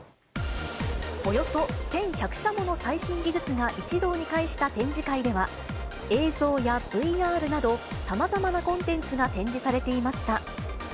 およそ１１００社もの最新技術が一堂に会した展示会では、映像やＶＲなど、さまざまなコンテンツが展示されていました。